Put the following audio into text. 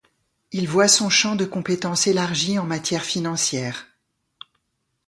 Il voit son champ de compétences élargi en matière financière.